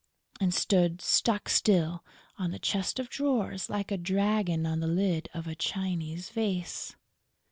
and stood stock still on the chest of drawers, like a dragon on the lid of a Chinese vase.